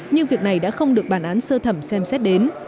nhưng việc này đã không được bản án sơ thẩm xem xét đến